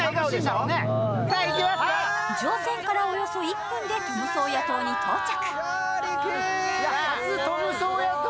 乗船からおよそ１分でトムソーヤ島に到着。